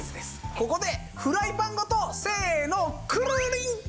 ここでフライパンごとせーのくるりん！